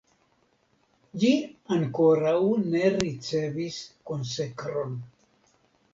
Ĝi ankoraŭ ne ricevis konsekron.